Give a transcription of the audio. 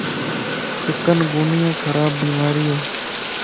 چڪن گونيا خراب بيماري ائي